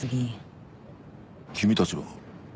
君たちは？